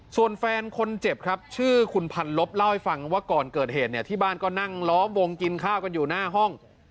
ส่วนแฟนคนเจ็บครับชื่อคุณพันลบเล่าให้ฟังว่าก่อนเกิดเหตุเนี่ยที่บ้านก็นั่งล้อมวงกินข้าวกันอยู่หน้าห้อง